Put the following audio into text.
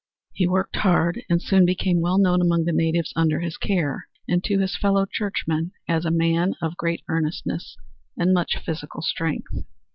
He worked hard and soon became well known among the natives under his care, and to his fellow churchmen as a man of great earnestness and much physical strength.